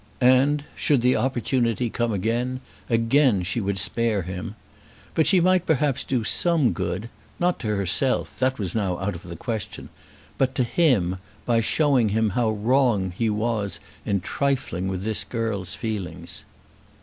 And should the opportunity come again, again she would spare him. But she might perhaps do some good, not to herself, that was now out of the question, but to him, by showing him how wrong he was in trifling with this girl's feelings.